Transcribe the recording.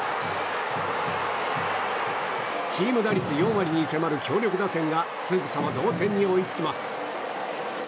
チーム打率４割に迫る強力打線がすぐさま同点に追いつきます。